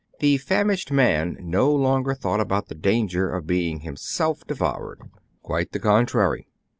The famished man no longer thought about the danger of being himself de voured : quite the contrary.